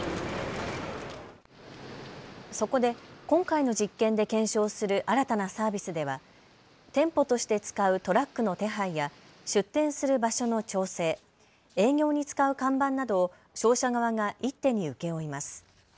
そこで今回の実験で検証する新たなサービスでは店舗として使うトラックの手配や出店する場所の調整、営業に使う看板などを商社側が一手に請け負います。